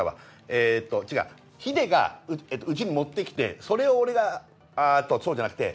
えっと違うヒデが家に持って来てそれを俺があっとそうじゃなくて。